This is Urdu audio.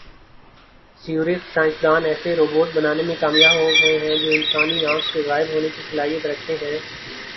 زیورخ سائنس دان ایسے روبوٹ بنانے میں کامیاب ہوگئے ہیں جو انسانی آنکھ سے غائب ہونے کی صلاحیت رکھتے ہیں